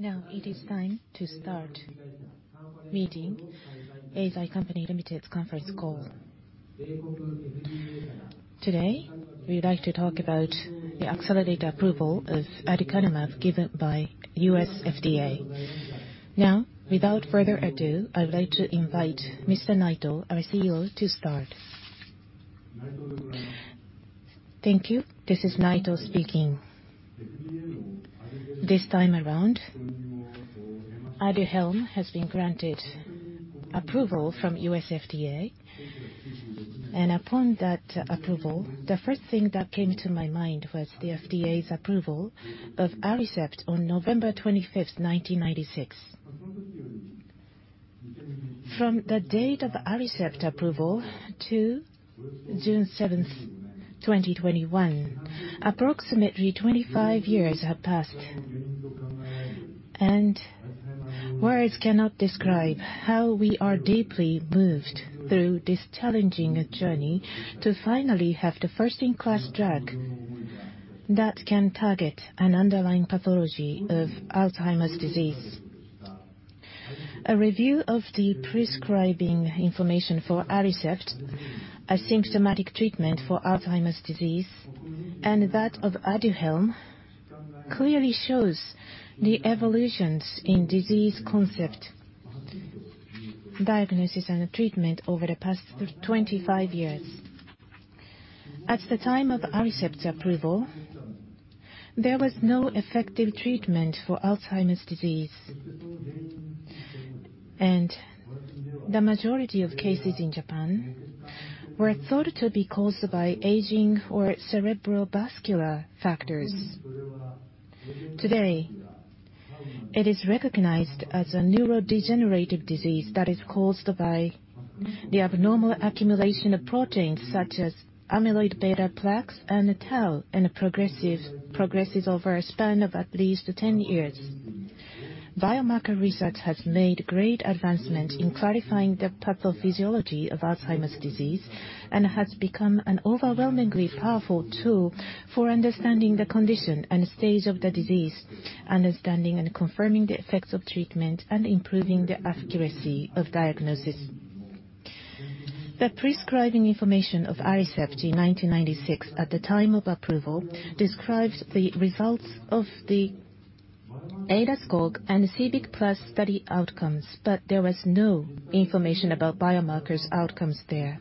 Now it is time to start meeting Eisai Company Limited conference call. Today, we'd like to talk about the accelerated approval of aducanumab given by U.S. FDA. Now, without further ado, I'd like to invite Mr. Naito, our CEO, to start. Thank you. This is Naito speaking. This time around, ADUHELM has been granted approval from U.S. FDA. Upon that approval, the first thing that came to my mind was the FDA's approval of ARICEPT on November 25th, 1996. From the date of ARICEPT approval to June 7th, 2021, approximately 25 years have passed, words cannot describe how we are deeply moved through this challenging journey to finally have the first in-class drug that can target an underlying pathology of Alzheimer's disease. A review of the prescribing information for ARICEPT, a symptomatic treatment for Alzheimer's disease, and that of ADUHELM, clearly shows the evolutions in disease concept diagnosis and treatment over the past 25 years. At the time of ARICEPT's approval, there was no effective treatment for Alzheimer's disease. The majority of cases in Japan were thought to be caused by aging or cerebrovascular factors. Today, it is recognized as a neurodegenerative disease that is caused by the abnormal accumulation of proteins such as amyloid-beta plaques and tau, and progresses over a span of at least 10 years. Biomarker research has made great advancement in clarifying the pathophysiology of Alzheimer's disease and has become an overwhelmingly powerful tool for understanding the condition and stage of the disease, understanding and confirming the effects of treatment, and improving the accuracy of diagnosis. The prescribing information of ARICEPT in 1996 at the time of approval described the results of the ADAS-Cog and CIBIC-plus study outcomes, but there was no information about biomarkers outcomes there.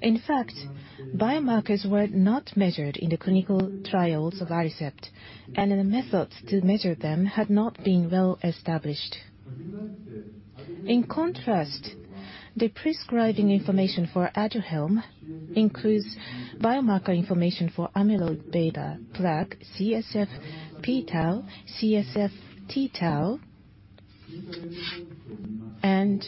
In fact, biomarkers were not measured in the clinical trials of ARICEPT, and the methods to measure them had not been well established. In contrast, the prescribing information for ADUHELM includes biomarker information for amyloid-beta plaque, CSF p-tau, CSF t-tau, and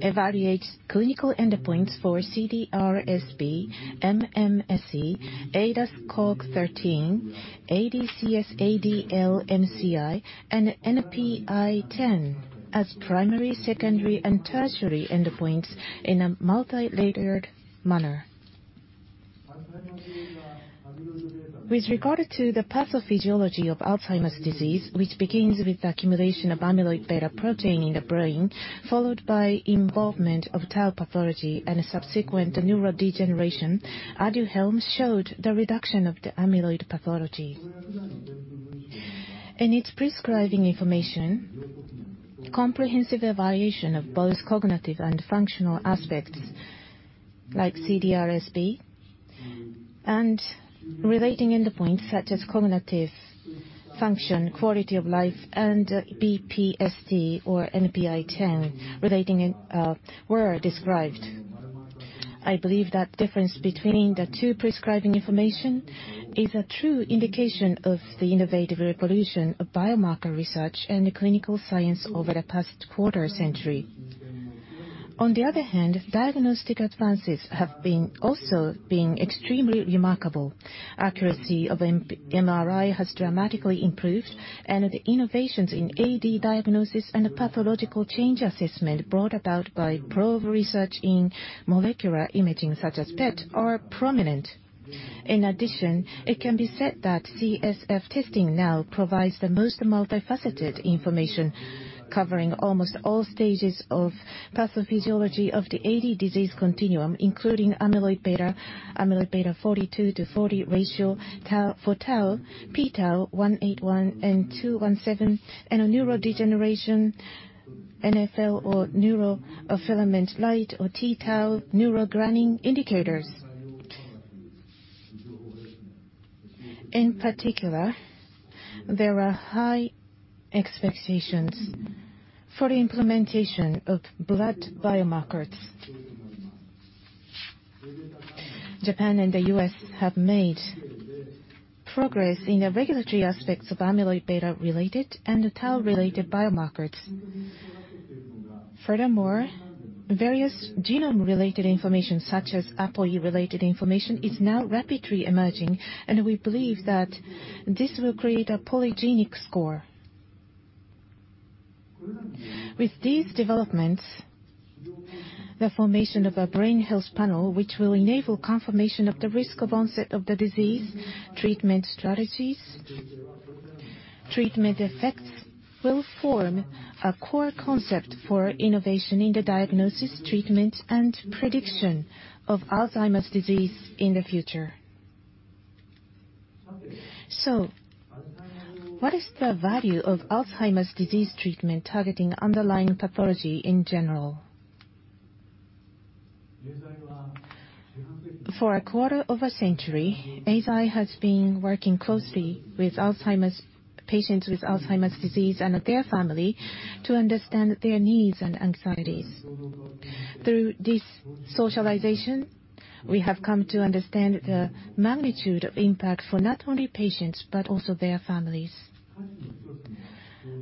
evaluates clinical endpoints for CDR-SB, MMSE, ADAS-Cog 13, ADCS-ADL-MCI, and NPI-10 as primary, secondary, and tertiary endpoints in a multi-layered manner. With regard to the pathophysiology of Alzheimer's disease, which begins with the accumulation of amyloid-beta protein in the brain, followed by involvement of tau pathology and subsequent neurodegeneration, ADUHELM showed the reduction of the amyloid pathology. In its prescribing information, comprehensive evaluation of both cognitive and functional aspects like CDR-SB and relating endpoints such as cognitive function, quality of life, and BPSD or NPI-10 were described. I believe that difference between the two prescribing information is a true indication of the innovative revolution of biomarker research and clinical science over the past quarter-century. Diagnostic advances have also been extremely remarkable. Accuracy of MRI has dramatically improved, and the innovations in AD diagnosis and pathological change assessment brought about by probe research in molecular imaging such as PET are prominent. It can be said that CSF testing now provides the most multifaceted information covering almost all stages of pathophysiology of the AD disease continuum, including amyloid-beta, amyloid-beta 42:40 ratio for tau, p-tau181 and p-tau217, and a neurodegeneration NfL or neurofilament light or t-tau neurogranin indicators. In particular, there are high expectations for the implementation of blood biomarkers. Japan and the U.S. have made progress in the regulatory aspects of amyloid-beta-related and tau-related biomarkers. Various genome-related information, such as APOE-related information, is now rapidly emerging, and we believe that this will create a polygenic score. With these developments, the formation of a brain health panel, which will enable confirmation of the risk of onset of the disease, treatment strategies, treatment effects, will form a core concept for innovation in the diagnosis, treatment, and prediction of Alzheimer's disease in the future. What is the value of Alzheimer's disease treatment targeting underlying pathology in general? For a quarter of a century, Eisai has been working closely with patients with Alzheimer's disease and their family to understand their needs and anxieties. Through this socialization, we have come to understand the magnitude of impact for not only patients, but also their families.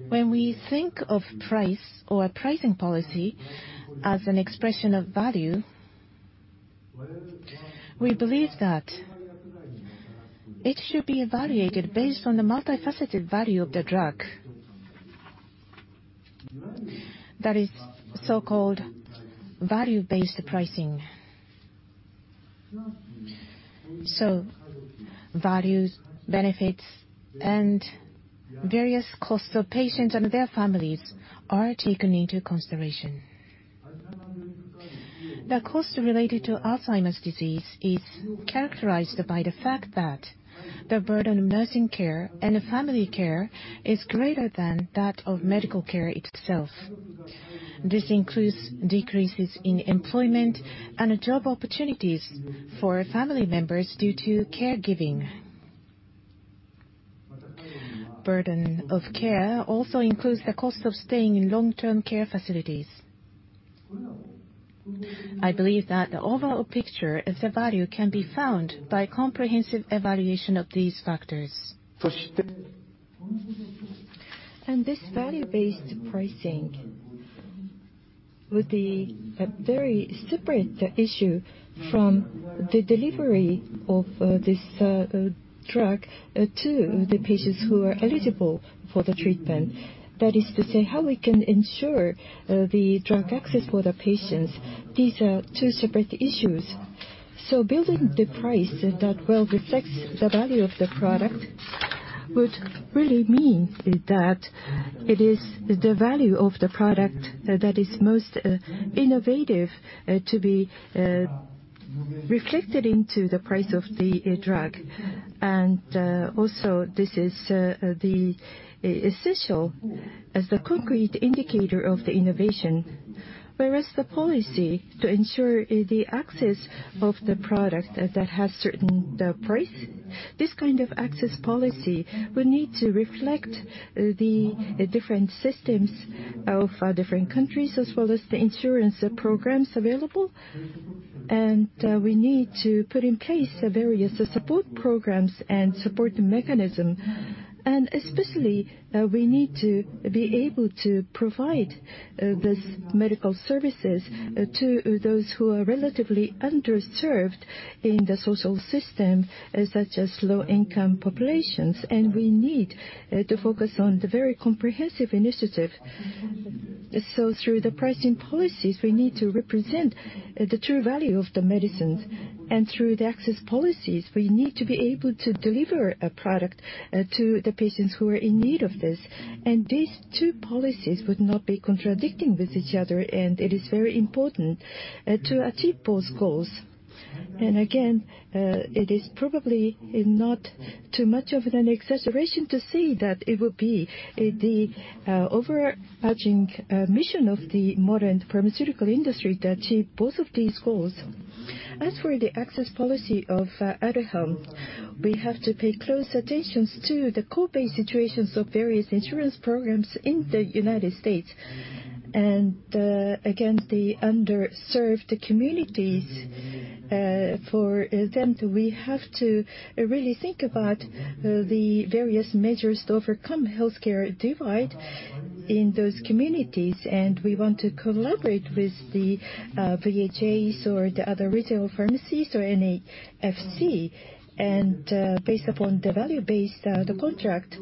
When we think of price or pricing policy as an expression of value, we believe that it should be evaluated based on the multifaceted value of the drug. That is the so-called value-based pricing. Values, benefits, and various costs to patients and their families are taken into consideration. The cost related to Alzheimer's disease is characterized by the fact that the burden of nursing care and family care is greater than that of medical care itself. This includes decreases in employment and job opportunities for family members due to caregiving. Burden of care also includes the cost of staying in long-term care facilities. I believe that the overall picture of the value can be found by comprehensive evaluation of these factors. This value-based pricing would be a very separate issue from the delivery of this drug to the patients who are eligible for the treatment. That is to say, how we can ensure the drug access for the patients. These are two separate issues. Building the price that well reflects the value of the product would really mean that it is the value of the product that is most innovative to be reflected into the price of the drug. Also, this is the essential as a concrete indicator of the innovation. Whereas the policy to ensure the access of the product that has certain price, this kind of access policy will need to reflect the different systems of different countries as well as the insurance programs available. We need to put in place various support programs and support mechanism. Especially, we need to be able to provide these medical services to those who are relatively underserved in the social system, such as low-income populations. We need to focus on the very comprehensive initiative. Through the pricing policies, we need to represent the true value of the medicines. Through the access policies, we need to be able to deliver a product to the patients who are in need of this. These two policies would not be contradicting with each other, and it is very important to achieve both goals. Again, it is probably not too much of an exaggeration to say that it would be the overarching mission of the modern pharmaceutical industry to achieve both of these goals. As for the access policy of ADUHELM, we have to pay close attention to the coping situations of various insurance programs in the U.S. Again, the underserved communities. For them, we have to really think about the various measures to overcome healthcare divide in those communities, we want to collaborate with the PHAs or the other retail pharmacies or NAFC. Based upon the value-based contract,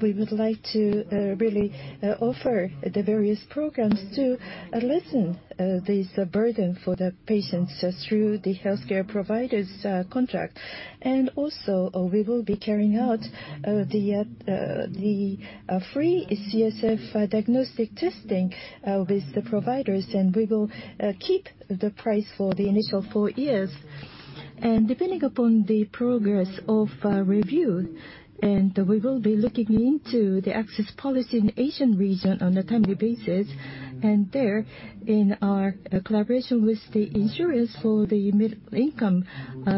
we would like to really offer the various programs to lessen this burden for the patients through the healthcare providers contract. Also, we will be carrying out the free CSF diagnostic testing with the providers, and we will keep the price for the initial four years. Depending upon the progress of our review, we will be looking into the access policy in Asian region on a timely basis. There in our collaboration with the insurance for the middle-income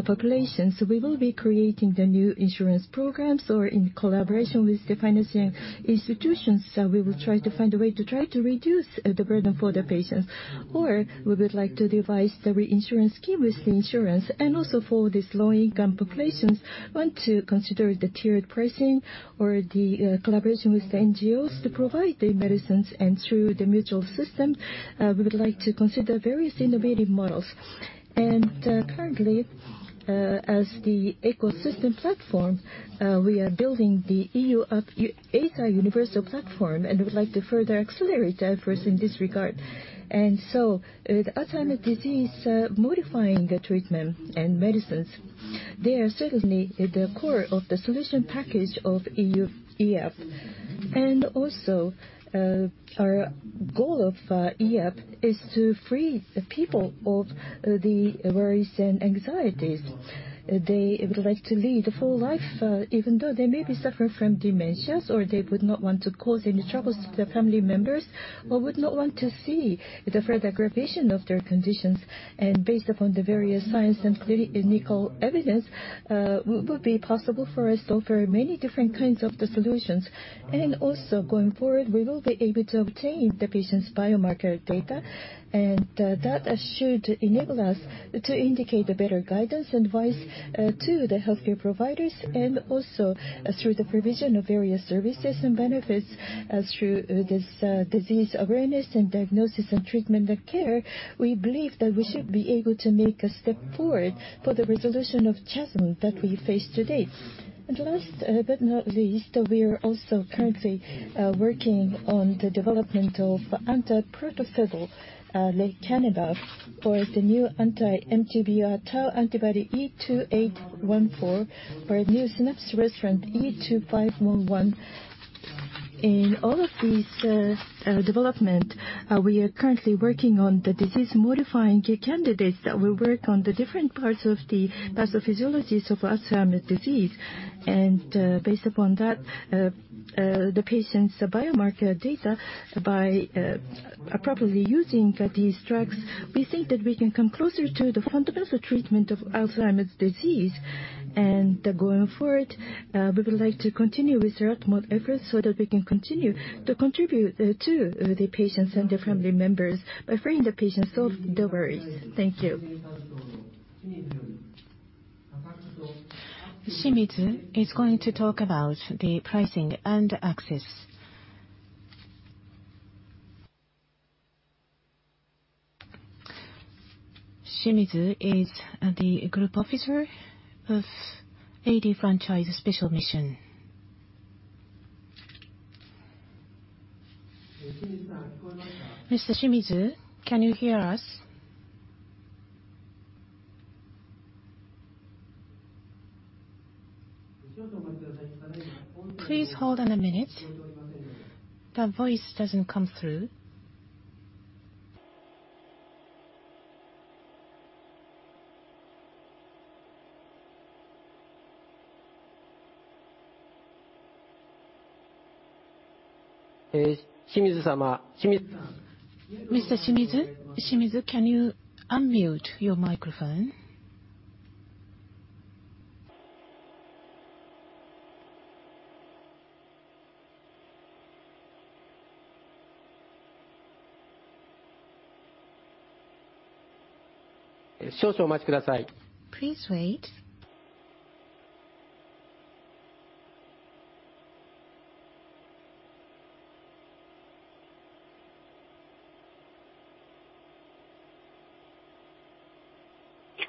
populations, we will be creating the new insurance programs or in collaboration with the financing institutions, we will try to reduce the burden for the patients. We would like to devise the reinsurance scheme with the insurance. For these low-income populations, want to consider the tiered pricing or the collaboration with NGOs to provide the medicines. Through the mutual system, we would like to consider various innovative models. Currently, as the ecosystem platform, we are building the EUP, Eisai Universal Platform, and would like to further accelerate our efforts in this regard. With Alzheimer's disease modifying the treatment and medicines, they are certainly the core of the solution package of EUP. Our goal of EUP is to free the people of the worries and anxieties. They would like to lead a full life, even though they may be suffering from dementias, or they would not want to cause any troubles to their family members, but would not want to see the further aggravation of their conditions. Based upon the various science and clinical evidence, it would be possible for us to offer many different kinds of solutions. Going forward, we will be able to obtain the patient's biomarker data, and that should enable us to indicate a better guidance advice to the healthcare providers, and also through the provision of various services and benefits through this disease awareness and diagnosis and treatment and care. We believe that we should be able to make a step forward for the resolution of the challenge that we face today. Last but not least, we are also currently working on the development of anti-protofibril lecanemab for the new anti-MTBR tau antibody E2814 for new TrkA positive allosteric modulator E2511. In all of these developments, we are currently working on the disease-modifying candidates that will work on the different parts of the pathophysiology of Alzheimer's disease. Based upon that, the patient's biomarker data, by properly using these drugs, we think that we can come closer to the fundamental treatment of Alzheimer's disease. Going forward, we would like to continue this utmost effort so that we can continue to contribute to the patients and their family members by freeing the patients of their worries. Thank you. Shimizu is going to talk about the pricing and access. Shimizu is the Group Officer of AD Franchise Special Mission.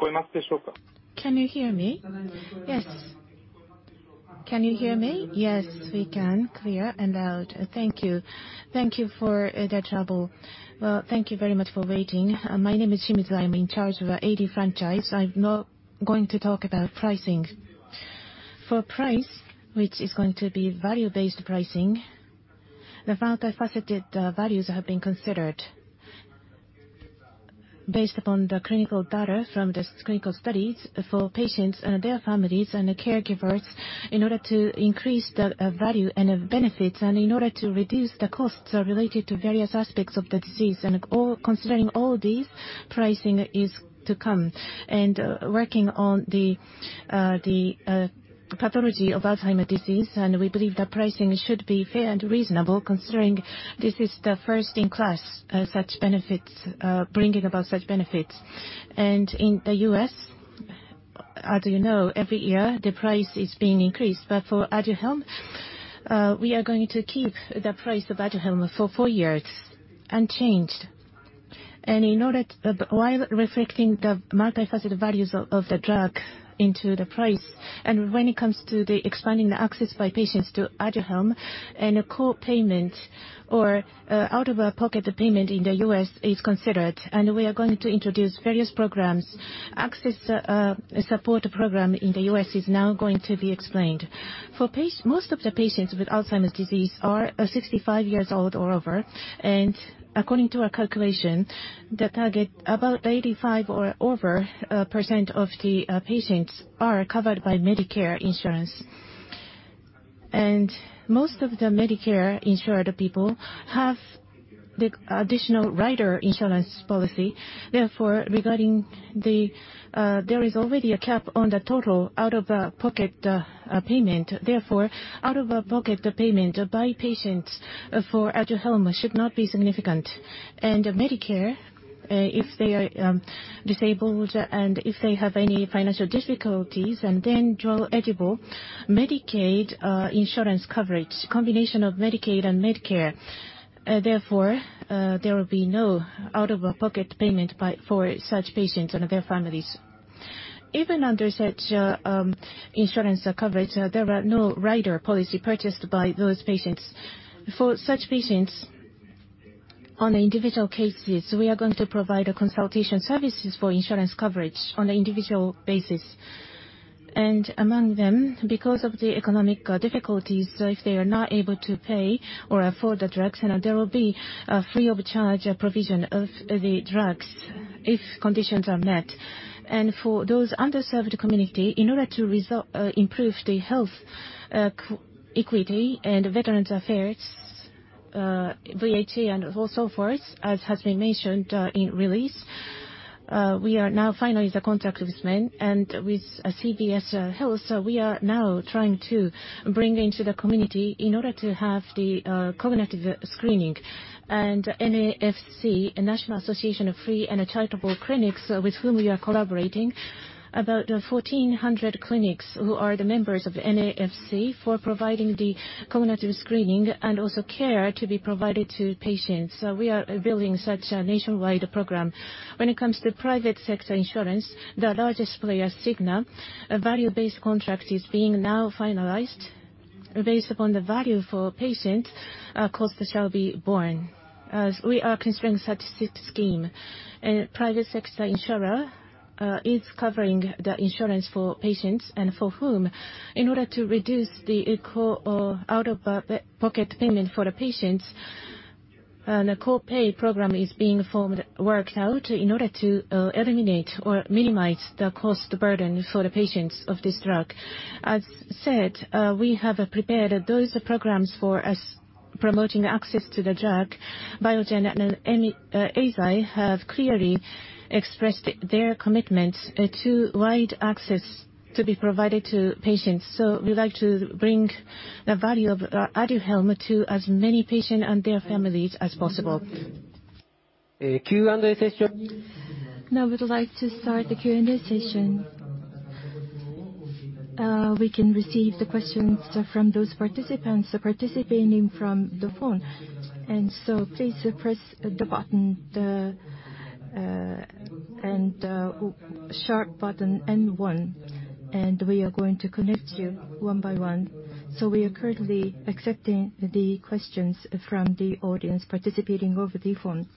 Well, thank you very much for waiting. My name is Shimizu. I am in charge of the AD Franchise. I am now going to talk about pricing. For price, which is going to be value-based pricing. The multifaceted values have been considered. Based upon the clinical data from the clinical studies for patients and their families and caregivers, in order to increase the value and benefits and in order to reduce the costs related to various aspects of the disease. Considering all these, pricing is to come. Working on the pathology of Alzheimer's disease. We believe that pricing should be fair and reasonable considering this is the first in class, bringing about such benefits. In the U.S., as you know, every year the price is being increased. For ADUHELM, we are going to keep the price of ADUHELM for four years unchanged. In order, while reflecting the multifaceted values of the drug into the price, and when it comes to expanding the access by patients to ADUHELM and a co-payment or out-of-pocket payment in the U.S. is considered, and we are going to introduce various programs. Access Support Program in the U.S. is now going to be explained. Most of the patients with Alzheimer's disease are 65 years old or over, and according to our calculation, about 85% or over of the patients are covered by Medicare insurance. Most of the Medicare-insured people have the additional rider insurance policy. Therefore, there is already a cap on the total out-of-pocket payment. Therefore, out-of-pocket payment by patients for ADUHELM should not be significant. Medicare, if they are disabled and if they have any financial difficulties and then draw eligible Medicaid insurance coverage, combination of Medicaid and Medicare, therefore, there will be no out-of-pocket payment for such patients and their families. Even under such insurance coverage, there were no rider policy purchased by those patients. For such patients, on individual cases, we are going to provide consultation services for insurance coverage on an individual basis. Among them, because of the economic difficulties, if they are not able to pay or afford the drugs, there will be a free-of-charge provision of the drugs if conditions are met. For those underserved community, in order to improve the health equity and U.S. Department of Veterans Affairs, VHA, and so forth, as has been mentioned in release, we are now finalizing the contract with them. With CVS Health, we are now trying to bring into the community in order to have the cognitive screening. NAFC, National Association of Free and Charitable Clinics, with whom we are collaborating, about 1,400 clinics who are the members of NAFC for providing the cognitive screening and also care to be provided to patients. We are building such a nationwide program. When it comes to private sector insurance, the largest player, Cigna, a value-based contract is being now finalized. Based upon the value for patient, cost shall be borne. As we are considering such scheme, a private sector insurer is covering the insurance for patients. In order to reduce the out-of-pocket payment for the patients, a co-pay program is being formed, worked out in order to eliminate or minimize the cost burden for the patients of this drug. As said, we have prepared those programs for promoting access to the drug. Biogen and Eisai have clearly expressed their commitment to wide access to be provided to patients. We'd like to bring the value of ADUHELM to as many patients and their families as possible. Now we'd like to start the Q&A session. We can receive the questions from those participants participating from the phone. Please press the sharp button and one, we are going to connect you one by one. We are currently accepting the questions from the audience participating over the phone.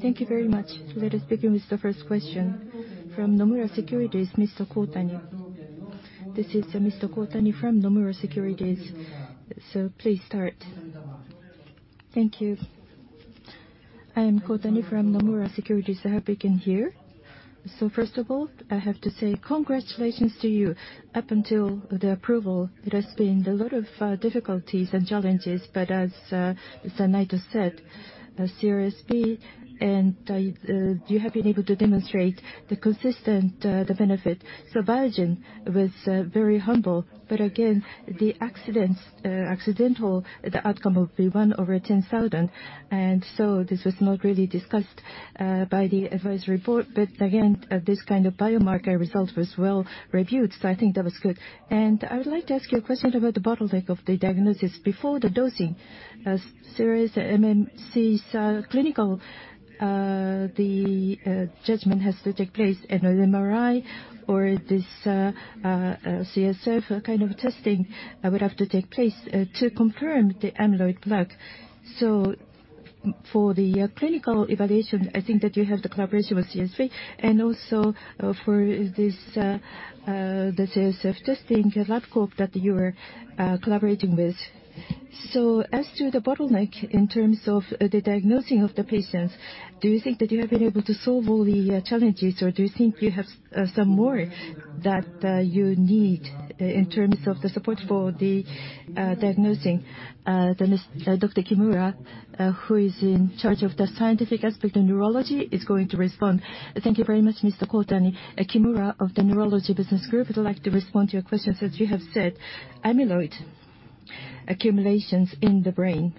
Thank you very much. Let us begin with the first question. From Nomura Securities, Mr. Kohtani. This is Mr. Kohtani from Nomura Securities. Please start. Thank you. I am Kohtani from Nomura Securities. Happy to be here. First of all, I have to say congratulations to you. Up until the approval, there's been a lot of difficulties and challenges, but as Shuhei just said, CDR-SB, and you have been able to demonstrate the consistent benefit. Biogen was very humble. Again, the accidental outcome of the 1/10,000, and so this was not really discussed by the advice report. Again, this kind of biomarker result was well-reviewed, so I think that was good. I would like to ask you a question about the bottleneck of the diagnosis before the dosing. As there is an MMSE clinical, the judgment has to take place, an MRI or this CSF kind of testing would have to take place to confirm the amyloid plaque. For the clinical evaluation, I think that you have the cooperation with Cogstate and also for this CSF testing, you have ADx NeuroSciences that you are collaborating with. As to the bottleneck in terms of the diagnosing of the patients, do you think that you have been able to solve all the challenges, or do you think you have some more that you need in terms of the support for the diagnosing? It's Dr. Kimura, who is in charge of the scientific aspect of neurology, is going to respond. Thank you very much, Mr. Kohtani. Kimura of the Neurology Business Group would like to respond to your questions. As you have said, amyloid accumulations in the brain.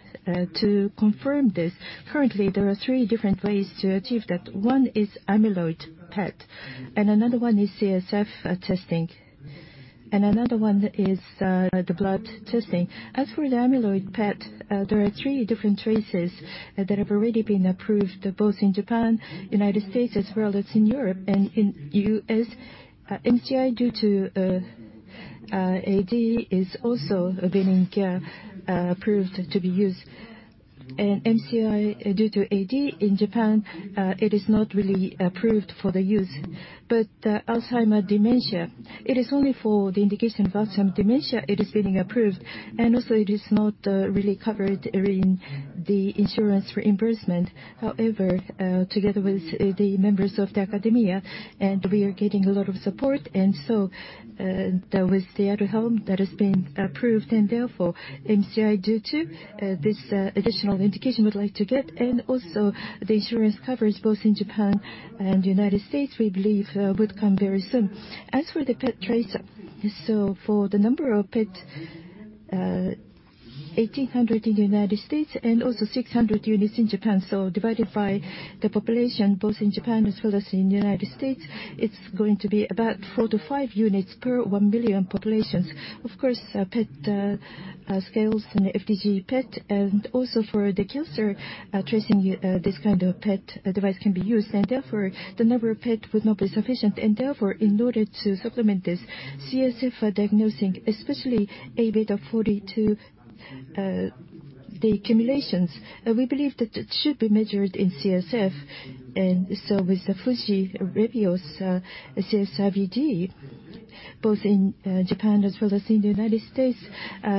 To confirm this, currently, there are three different ways to achieve that. One is amyloid PET, and another one is CSF testing, and another one is the blood testing. As for the amyloid PET, there are three different traces that have already been approved, both in Japan, U.S., as well as in Europe. In U.S., MCI due to AD is also being approved to be used. MCI due to AD in Japan, it is not really approved for the use. Alzheimer dementia, it is only for the indication of Alzheimer dementia it is being approved, and also it is not really covered in the insurance reimbursement. However, together with the members of the academia, and we are getting a lot of support. That was the ADUHELM that has been approved, and therefore, MCI due to this additional indication we'd like to get, and also the insurance coverage both in Japan and U.S., we believe would come very soon. As for the PET tracer, for the number of PET, 1,800 in the U.S. and 600 units in Japan. Divided by the population both in Japan as well as in the U.S., it's going to be about 4-5 units/1 million populations. Of course, PET scales from FDG PET, for the cancer tracing, this kind of PET device can be used. Therefore, the number of PET would not be sufficient. Therefore, in order to supplement this CSF diagnosing, especially A-beta 42 the accumulations. We believe that it should be measured in CSF. With the Fujirebio CSF ug, both in Japan as well as in the U.S.,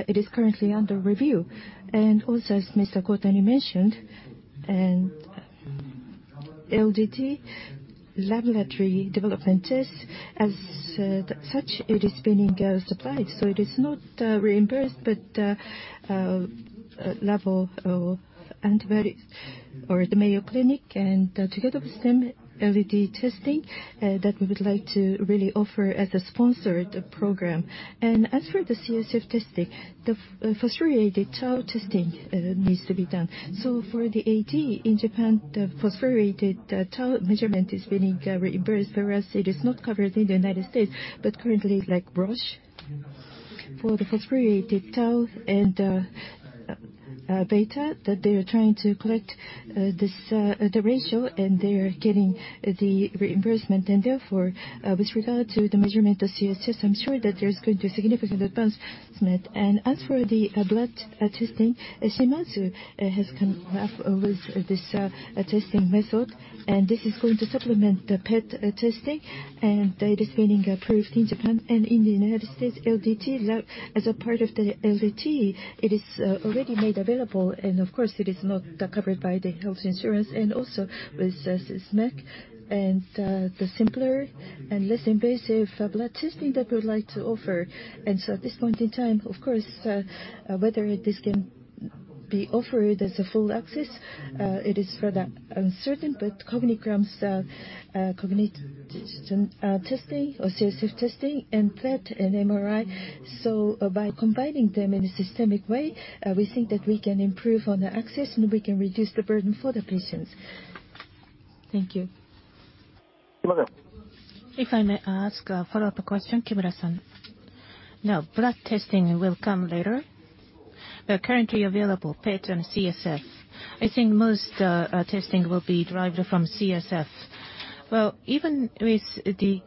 it is currently under review. As Mr. Kohtani mentioned, LDT, laboratory developed test. As such, it is being supplied. It is not reimbursed, but level of amyloid-beta or the Mayo Clinic and together with them, LDT testing, that we would like to really offer as a sponsored program. As for the CSF testing, the phosphorylated tau testing needs to be done. For the AD in Japan, the phosphorylated tau measurement is being reimbursed, whereas it is not covered in the U.S., but currently like Roche for the p-tau and the amyloid-beta, that they are trying to collect the ratio, and they are getting the reimbursement. Therefore, with regard to the measurement of CSF, I'm sure that there's going to be significant advancement. As for the blood testing, Shimadzu has come up with this testing method, and this is going to supplement the PET testing, and that is being approved in Japan and in the U.S. LDT, as a part of the LDT, it is already made available. Of course, it is not covered by the health insurance and also with this mass spec and the simpler and less invasive blood testing that we would like to offer. At this point in time, of course, whether this can be offered as a full access, it is still uncertain. When it comes to cognitive testing or CSF testing and PET and MRI, so by combining them in a systemic way, we think that we can improve on the access and we can reduce the burden for the patients. Thank you. If I may ask a follow-up question, Kimura-san. Now, blood testing will come later. They're currently available, PET and CSF. I think most testing will be derived from CSF. Well, even with the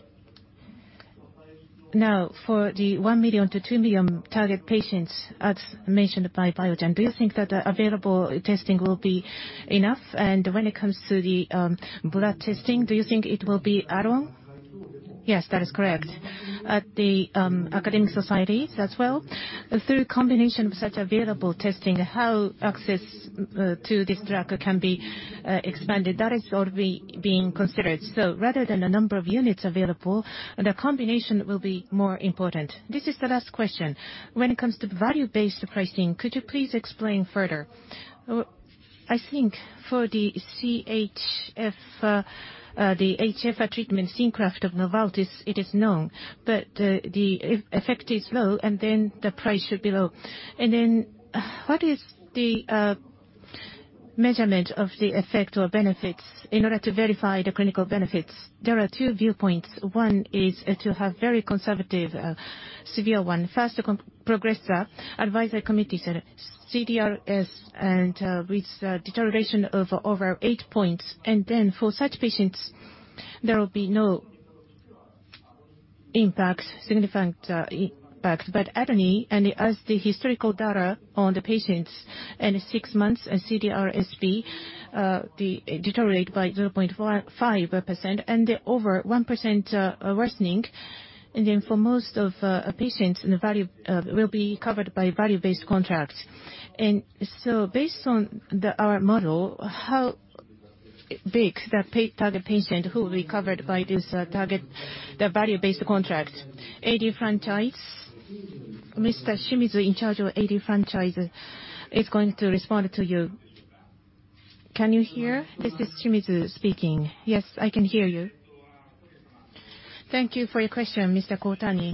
Now, for the 1 million-2 million target patients as mentioned by Biogen, do you think that available testing will be enough? When it comes to the blood testing, do you think it will be around? Yes, that is correct. At the academic societies as well. The third combination of such available testing, how access to this drug can be expanded, that is already being considered. Rather than a number of units available, the combination will be more important. This is the last question. When it comes to value-based pricing, could you please explain further? I think for the SMA treatment, Zolgensma of Novartis, it is known, but the effect is low, and then the price should be low. What is the measurement of the effect or benefits in order to verify the clinical benefits? There are two viewpoints. One is to have very conservative, severe one, faster progressor advisory committees and CDR-SB with deterioration of over 8 points. For such patients, there will be no significant impact. Anyway, as the historical data on the patients, six months and CDR-SB, they deteriorate by 0.5%, over 1% worsening. For most of patients, the value will be covered by value-based contracts. Based on our model, how big the target patient who will be covered by this value-based contract? AD Franchise. Shimizu in charge of AD Franchise is going to respond to you. Can you hear Shimizu speaking? Yes, I can hear you. Thank you for your question, Mr. Kohtani.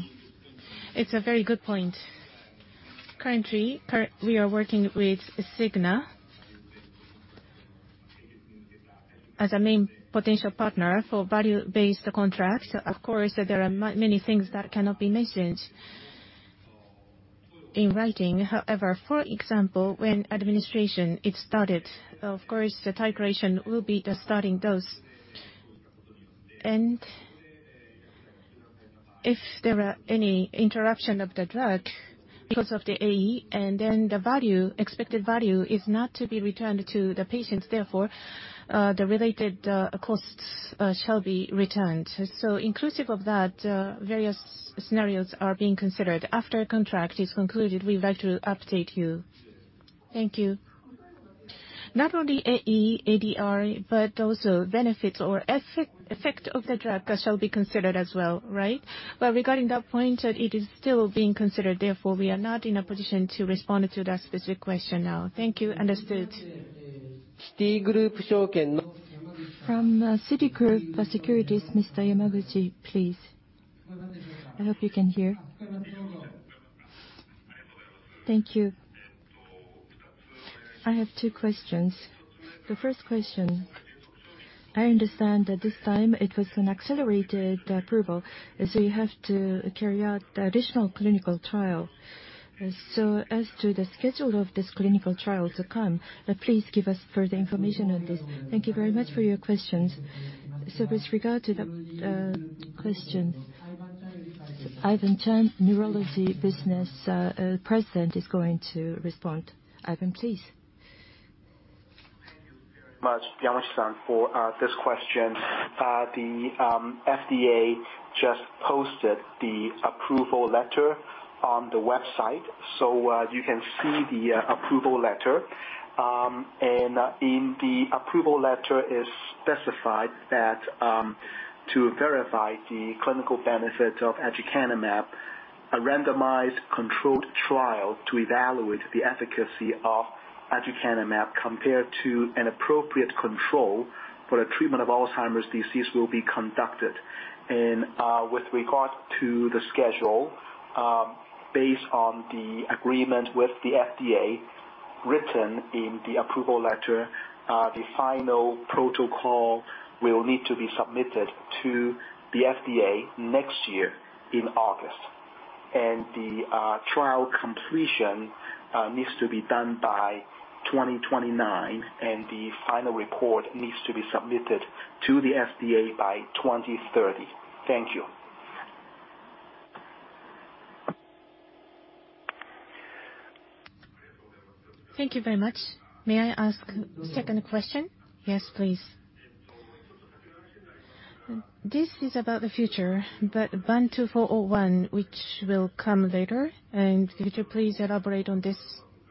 It's a very good point. Currently, we are working with Cigna as a main potential partner for value-based contracts. Of course, there are many things that cannot be mentioned in writing. However, for example, when administration is started, of course, the titration will be the starting dose. If there are any interaction of the drug because of the AE, the expected value is not to be returned to the patients, the related costs shall be returned. Inclusive of that, various scenarios are being considered. After contract is concluded, we'd like to update you. Thank you. Not only AE, ADR, but also benefits or effect of the drug shall be considered as well, right? Regarding that point, it is still being considered, therefore, we are not in a position to respond to that specific question now. Thank you. Understood. From Citigroup Securities, Mr. Yamaguchi, please. I hope you can hear. Thank you. I have two questions. The first question, I understand that this time it was an accelerated approval, so you have to carry out additional clinical trial. As to the schedule of this clinical trial to come, please give us further information on this. Thank you very much for your questions. With regard to the question Ivan Cheung, Neurology Business President, is going to respond. Ivan, please. Thank you very much, Yamaguchi-san, for this question. The FDA just posted the approval letter on the website, so you can see the approval letter. In the approval letter it is specified that to verify the clinical benefits of aducanumab, a randomized controlled trial to evaluate the efficacy of aducanumab compared to an appropriate control for the treatment of Alzheimer's disease will be conducted. With regard to the schedule, based on the agreement with the FDA, as written in the approval letter, the final protocol will need to be submitted to the FDA next year in August. The trial completion needs to be done by 2029, and the final report needs to be submitted to the FDA by 2030. Thank you. Thank you very much. May I ask a second question? Yes, please. This is about the future, but BAN2401, which will come later, and could you please elaborate on this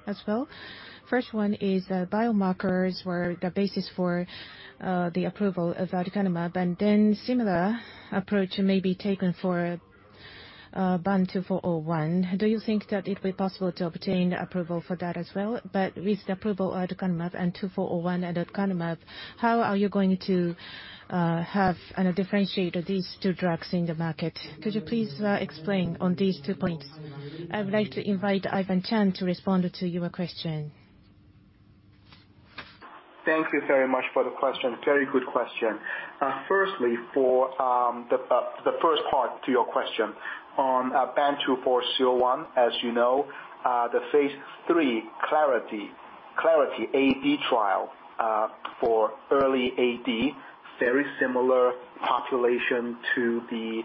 as well? First one is the biomarkers were the basis for the approval of aducanumab, and then a similar approach may be taken for BAN2401. Do you think that it will be possible to obtain approval for that as well? With the approval of aducanumab and BAN2401, how are you going to differentiate these two drugs in the market? Could you please explain on these two points? I would like to invite Ivan Cheung to respond to your question. Thank you very much for the question. Very good question. Firstly, for the first part to your question on BAN2401, as you know, the phase III Clarity AD trial for early AD, very similar population to the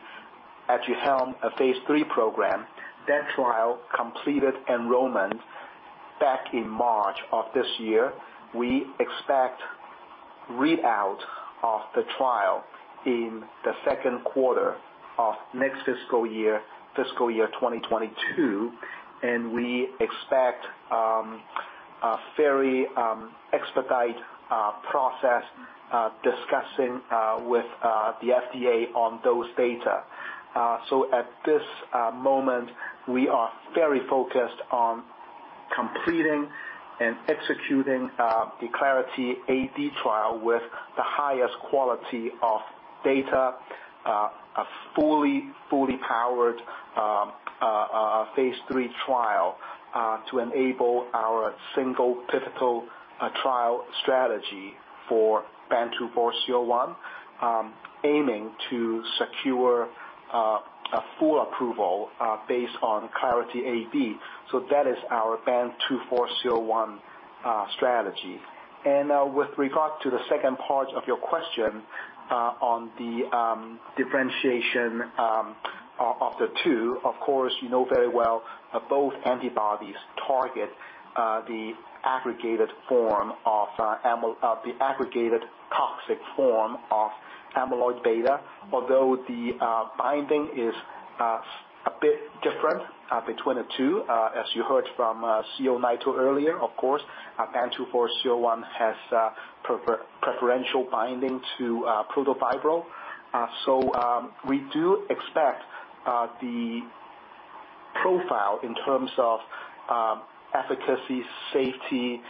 ADUHELM phase III program. That trial completed enrollment back in March of this year. We expect readout of the trial in the second quarter of next fiscal year 2022, and we expect a very expedited process discussing with the FDA on those data. At this moment, we are very focused on completing and executing the Clarity AD trial with the highest quality of data, a fully powered phase III trial to enable our single pivotal trial strategy for BAN2401, aiming to secure a full approval based on Clarity AD. That is our BAN2401 strategy. With regard to the second part of your question on the differentiation of the two, of course, you know very well both antibodies target the aggregated toxic form of amyloid-beta. Although the binding is a bit different between the two. As you heard from Naito earlier, of course, BAN2401 has preferential binding to protofibril. We do expect the profile in terms of efficacy, safety,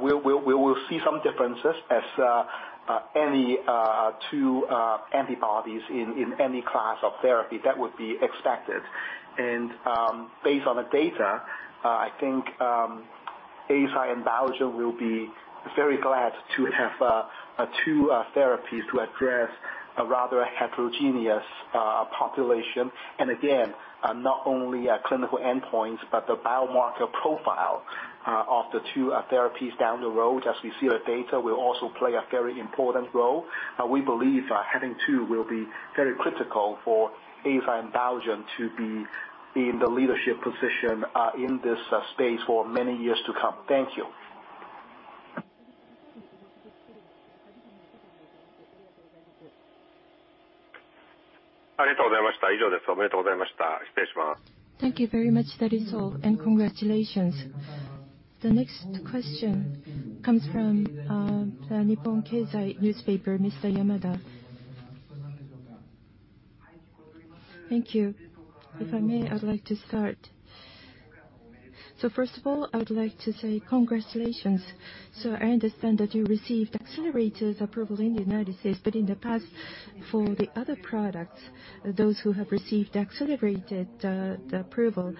we will see some differences as any two antibodies in any class of therapy. That would be expected. Based on the data, I think Eisai and Biogen will be very glad to have two therapies to address a rather heterogeneous population. Again, not only clinical endpoints, but the biomarker profile of the two therapies down the road as we see the data will also play a very important role. We believe having two will be very critical for Eisai and Biogen to be in the leadership position in this space for many years to come. Thank you. Thank you very much. That is all. Congratulations. The next question comes from the Nihon Keizai Shimbun, Mr. Yamada. Thank you. If I may, I'd like to start. First of all, I would like to say congratulations. I understand that you received accelerated approval in the U.S., but in the past, for the other products, those who have received accelerated approval.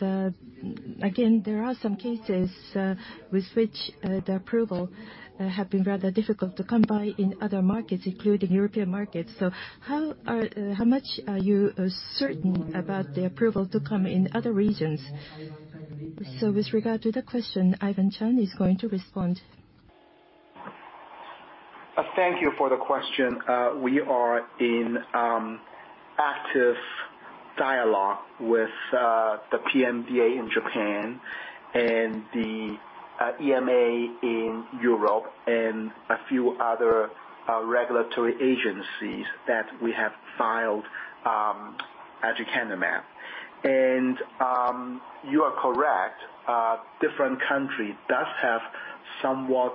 Again, there are some cases with which the approval have been rather difficult to come by in other markets, including European markets. How much are you certain about the approval to come in other regions? With regard to the question, Ivan Cheung is going to respond. Thank you for the question. We are in active dialogue with the PMDA in Japan and the EMA in Europe and a few other regulatory agencies that we have filed aducanumab. You are correct. Different countries do have somewhat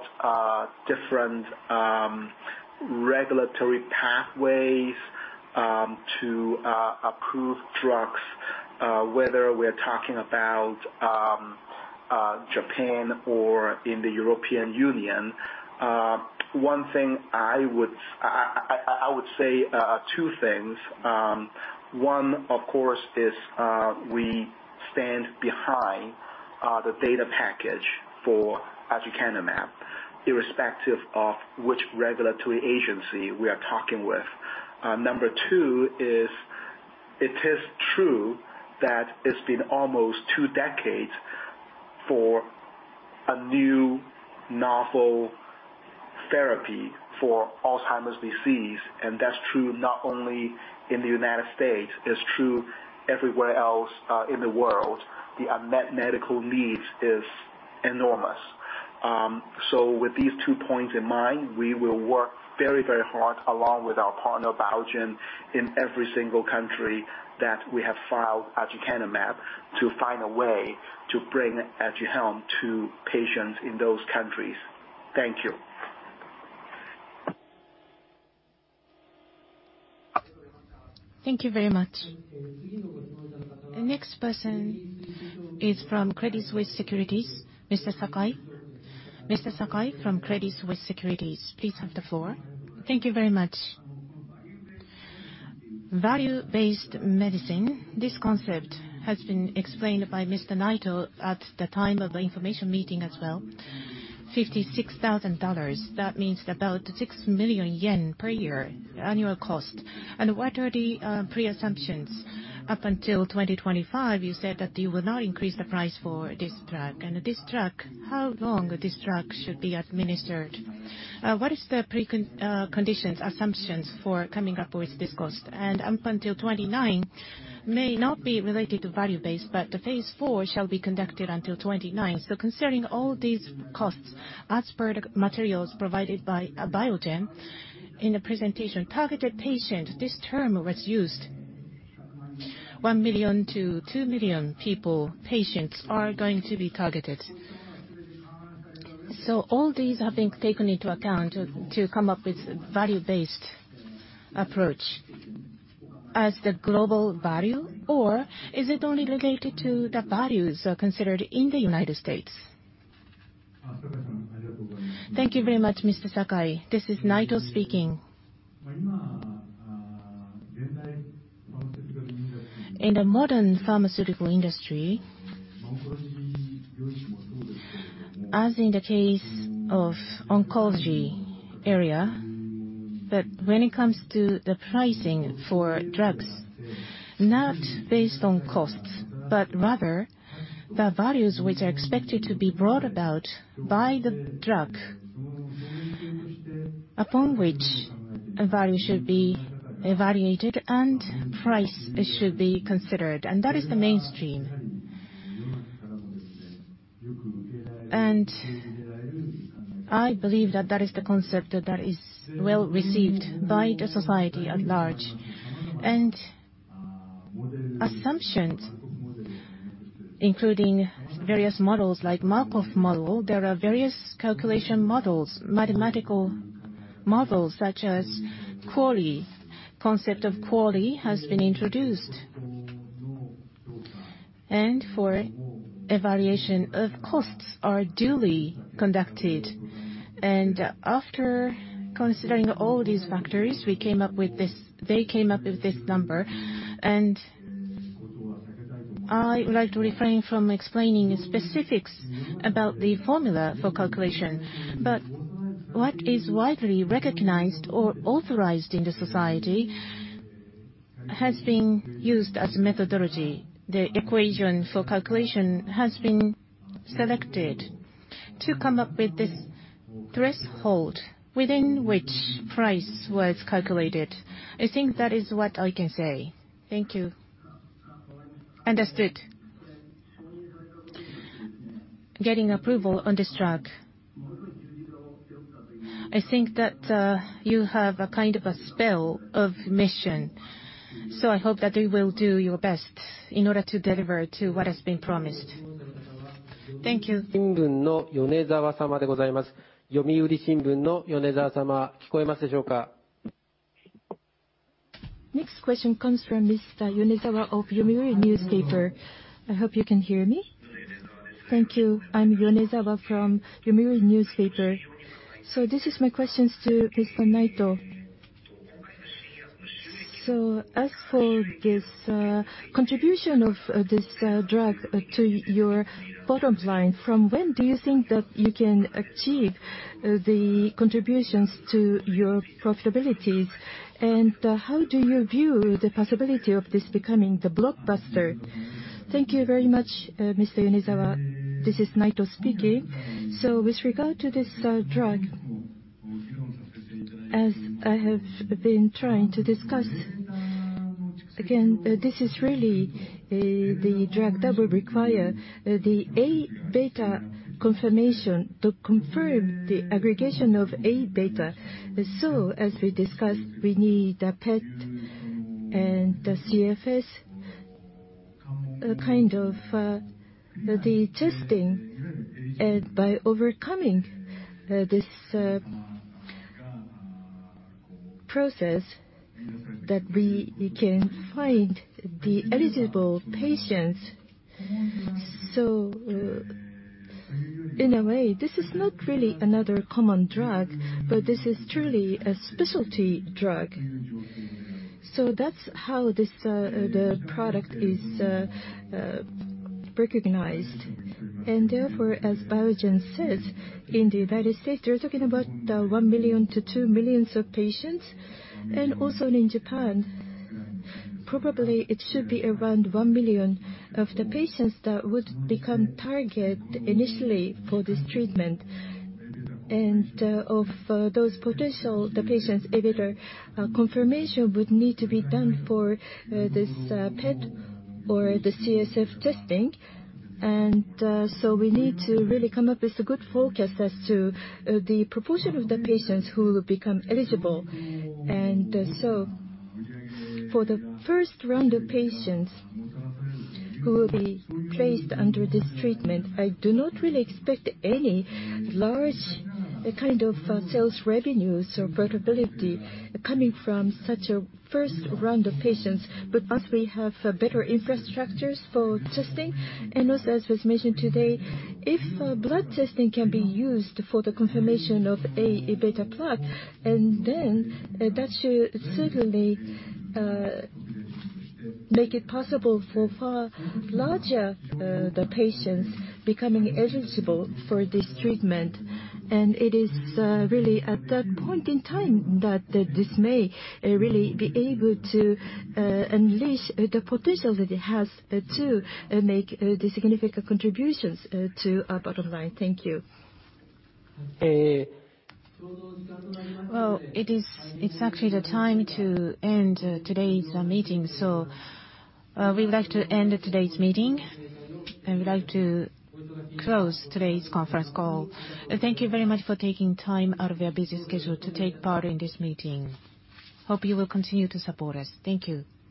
different regulatory pathways to approve drugs, whether we're talking about Japan or in the European Union. I would say two things. One, of course, is we stand behind the data package for aducanumab, irrespective of which regulatory agency we are talking with. Number two is, it is true that it's been almost two decades for a new novel therapy for Alzheimer's disease, and that's true not only in the United States. It's true everywhere else in the world. The unmet medical need is enormous. With these two points in mind, we will work very hard along with our partner, Biogen, in every single country that we have filed aducanumab, to find a way to bring ADUHELM to patients in those countries. Thank you. Thank you very much. The next person is from Credit Suisse Securities, Mr. Sakai. Mr. Sakai from Credit Suisse Securities, please have the floor. Thank you very much. Value-based medicine. This concept has been explained by Mr. Naito at the time of the information meeting as well, $56,000. That means about 6 million yen per year, annual cost. What are the pre-assumptions? Up until 2025, you said that you will not increase the price for this drug. This drug, how long this drug should be administered? What is the pre-conditions assumptions for coming up with this cost? Up until 2029 may not be related to value-based, but the phase IV shall be conducted until 2029. Concerning all these costs, as per the materials provided by Biogen in the presentation, targeted patient, this term was used. 1 million-2 million people, patients are going to be targeted. All these have been taken into account to come up with value-based approach. As the global value, or is it only related to the values considered in the United States? Thank you very much, Mr. Sakai. This is Naito speaking. In the modern pharmaceutical industry, as in the case of oncology area, when it comes to the pricing for drugs, not based on costs, but rather the values which are expected to be brought about by the drug upon which a value should be evaluated and price should be considered. That is the mainstream. I believe that is the concept that is well-received by the society at large. Assumptions, including various models like Markov model. There are various calculation models, mathematical models such as QALY. Concept of QALY has been introduced. For evaluation of costs are duly conducted. After considering all these factors, they came up with this number. I would like to refrain from explaining the specifics about the formula for calculation, but what is widely recognized or authorized in the society has been used as methodology. The equation for calculation has been selected to come up with this threshold within which price was calculated. I think that is what I can say. Thank you. Understood. Getting approval on this drug. I think that you have a kind of a sense of mission, so I hope that you will do your best in order to deliver to what has been promised. Thank you. Next question comes from Mr. Yonezawa of Yomiuri Shimbun. I hope you can hear me. Thank you. I'm Yonezawa from Yomiuri Shimbun. This is my question to Mr. Naito. As for this contribution of this drug to your bottom line, from when do you think that you can achieve the contributions to your profitability? How do you view the possibility of this becoming the blockbuster? Thank you very much, Mr. Yonezawa. This is Naito speaking. With regard to this drug, as I have been trying to discuss, again, this is really the drug that will require the A-beta confirmation to confirm the aggregation of A-beta. As we discussed, we need a PET and the CSF kind of the testing, and by overcoming this process that we can find the eligible patients. In a way, this is not really another common drug, but this is truly a specialty drug. That's how the product is recognized. Therefore, as Biogen says, in the U.S., they're talking about 1 million-2 million patients. Also in Japan, probably it should be around 1 million patients that would become target initially for this treatment. Of those potential patients, either confirmation would need to be done for this PET or the CSF testing. We need to really come up with a good forecast as to the proportion of the patients who will become eligible. For the first round of patients who will be placed under this treatment, I do not really expect any large kind of sales revenues or profitability coming from such a first round of patients. As we have better infrastructures for testing, and also as was mentioned today, if blood testing can be used for the confirmation of A-beta plaque, then that should certainly make it possible for far larger patients becoming eligible for this treatment. It is really at that point in time that this may really be able to unleash the potential that it has to make the significant contributions to our bottom line. Thank you. It is actually the time to end today's meeting, so we'd like to end today's meeting and we'd like to close today's conference call. Thank you very much for taking time out of your busy schedule to take part in this meeting. Hope you will continue to support us. Thank you.